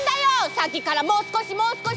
さっきからもうすこしもうすこし！